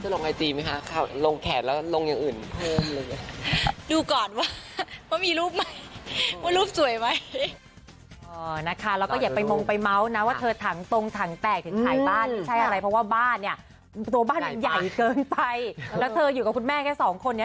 แล้วจะลงไอจีมไหมคะลงแขนแล้วลงอย่างอื่นเพิ่ม